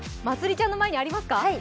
まつりちゃんの前にありますか？